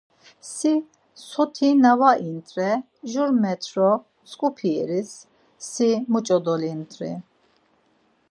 Si sotina var int̆re, Jur met̆ro mtzǩupi yeriş, si muç̌o dolint̆ri?